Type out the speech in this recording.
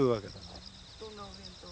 どんなお弁当を？